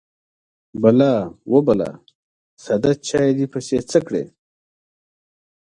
_بلا ، وه بلا! ساده چاې دې پسې څه کړ؟